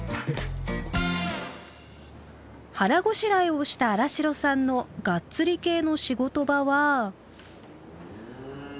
腹ごしらえをした新城さんのガッツリ系の仕事場は。